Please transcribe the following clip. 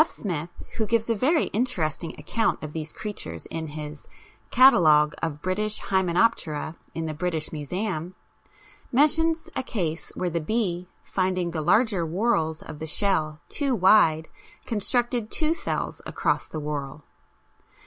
Smith, who gives a very interesting account of these creatures in his Catalogue of British Hymenoptera in the British Museum, mentions a case where the bee finding the larger whorls of the shell too wide constructed two cells across the whorl.